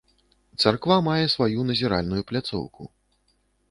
Царква мае сваю назіральную пляцоўку.